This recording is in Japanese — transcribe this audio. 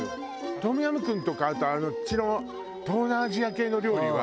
トムヤムクンとかあとあっちの東南アジア系の料理は。